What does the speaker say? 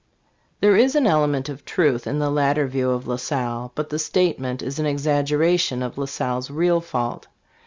There is an element of truth in the latter view of La Salle, but the state ment is an exaggeration of La Salle's real fault.